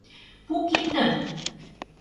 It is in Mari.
Пу киндым!